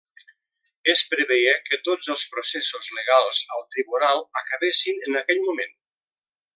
Es preveia que tots els processos legals al tribunal acabessin en aquell moment.